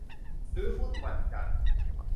ซื้อหุ้นวันจันทร์